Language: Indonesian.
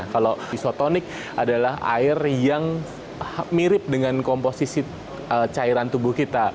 kalau isotonik adalah air yang mirip dengan komposisi cairan tubuh kita